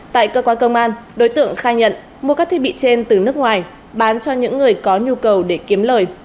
tại cơ quan công an đối tượng khai nhận mua các thiết bị trên từ nước ngoài bán cho những người có nhu cầu để kiếm lời